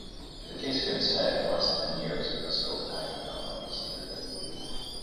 The case against Hauge lasted many years because Copenhagen found no reason to hurry.